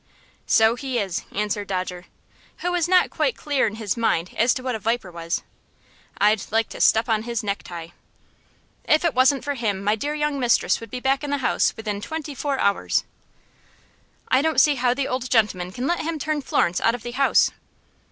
"So he is," answered Dodger, who was not quite clear in his mind as to what a viper was. "I'd like to step on his necktie." "If it wasn't for him, my dear young mistress would be back in the house within twenty four hours." "I don't see how the old gentleman can let him turn Florence out of the house."